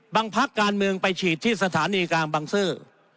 พักการเมืองไปฉีดที่สถานีกลางบังซื้อ